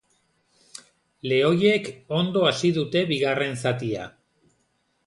Lehoiek ondo hasi dute bigarren zatia.